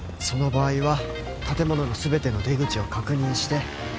その場合は建物の全ての出口を確認して。